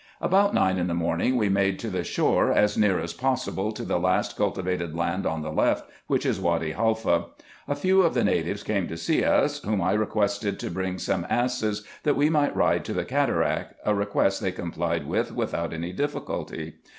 About nine in the morning we made to the shore, as near as possible to the last cultivated land on the left, which is Wady Haifa. A few of the natives came to see us, whom I requested to bring some asses, that we might ride to the cataract, a request they complied with without any difficulty.